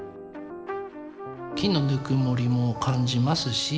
木のぬくもりも感じますし。